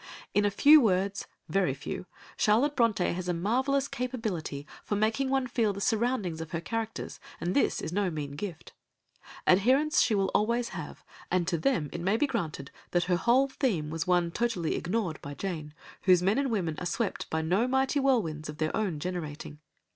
In a few words, very few, Charlotte Brontë has a marvellous capability for making one feel the surroundings of her characters, and this is no mean gift. Adherents she will always have, and to them it may be granted that her whole theme was one totally ignored by Jane, whose men and women are swept by no mighty whirlwinds of their own generating.